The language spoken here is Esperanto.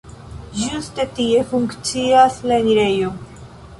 Ĝuste tie funkcias la enirejo.